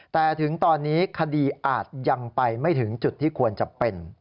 แต่ถึงตอนนี้คดีอาจยังไปไม่ถึงจุดที่ควรจะเป็น